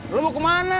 lo mau kemana